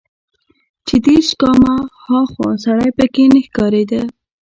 چې دېرش ګامه ها خوا سړى پکښې نه ښکارېده.